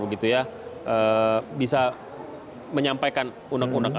bisa menyampaikan unak unak apa yang ingin dilakukan